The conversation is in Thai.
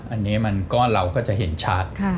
อันนี้มันก็เราก็จะเห็นชัด